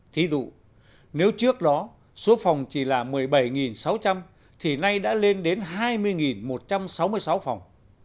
thí dụ nếu trước đó số phòng chỉ là một mươi bảy sáu trăm linh thì nay đã lên đến hai mươi một trăm sáu mươi sáu phòng